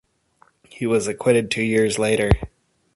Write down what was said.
He was acquitted two years later.